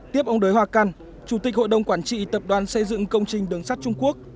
tiếp ông đới hoa căn chủ tịch hội đồng quản trị tập đoàn xây dựng công trình đường sắt trung quốc